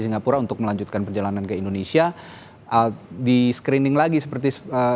singapura untuk melanjutkan perjalanan ke indonesia di screening lagi seperti